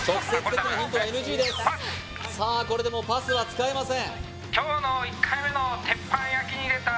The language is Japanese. これでもうパスは使えません